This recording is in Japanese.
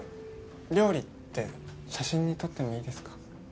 料理って写真に撮ってもいいですか？